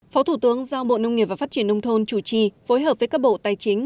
phó thủ tướng giao bộ nông nghiệp và phát triển nông thôn chủ trì phối hợp với các bộ tài chính